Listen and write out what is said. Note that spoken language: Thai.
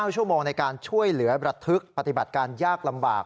ชั่วโมงในการช่วยเหลือระทึกปฏิบัติการยากลำบาก